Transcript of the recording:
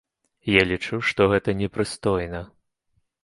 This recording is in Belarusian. Я лічу, што гэта непрыстойна.